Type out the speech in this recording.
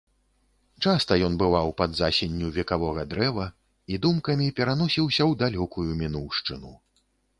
Часта ён бываў пад засенню векавога дрэва і думкамі пераносіўся ў далёкую мінуўшчыну.